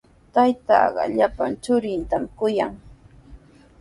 Taytaaqa llapan churintami kuyan.